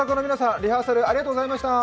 リハーサルありがとうございました。